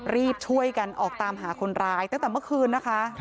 รีบช่วยกันออกตามหาคนร้ายตั้งแต่เมื่อคืนนะคะ